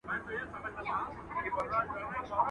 چي ورور ئې نه کې، پر سپور بې نه کې.